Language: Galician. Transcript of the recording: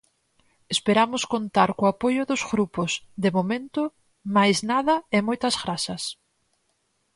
Esperamos contar co apoio dos grupos, de momento máis nada e moitas grazas.